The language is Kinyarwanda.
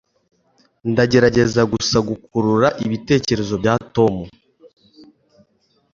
ndagerageza gusa gukurura ibitekerezo bya tom